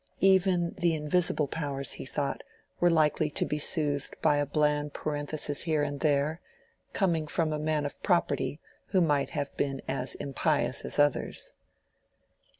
Even the invisible powers, he thought, were likely to be soothed by a bland parenthesis here and there—coming from a man of property, who might have been as impious as others.